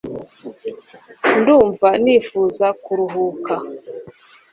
ndumva nifuza kuruhuka